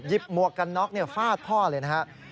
หมวกกันน็อกฟาดพ่อเลยนะครับ